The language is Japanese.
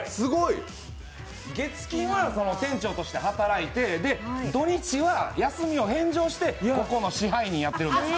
月−金は店長として働いて、土・日は休みを返上してここの支配人やってるんです。